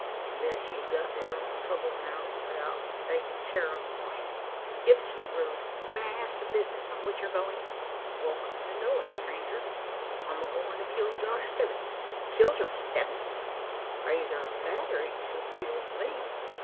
I guess ye've got yur own troubles now; 'ithout takin' share o' myen." "If it is not rude, may I ask the business on which you're going?" "Welcome to know it, stranger. I'm a goin' to kill Josh Stebbins!" "Kill Josh Stebbins?" "Eyther that, or he shall kill me."